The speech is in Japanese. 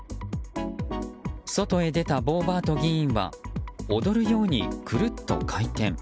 外へ出たボーバート議員は踊るように、くるっと回転。